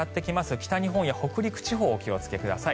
北日本や北陸地方お気をつけください。